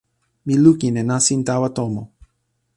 mi lukin e nasin tawa tomo.